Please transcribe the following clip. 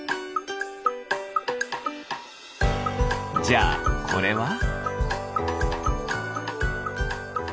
じゃあこれは？